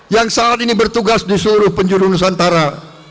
yang saat ini bertugas di seluruh penjuru nusantara